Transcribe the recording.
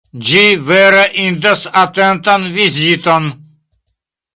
Ĝi vere indas atentan viziton.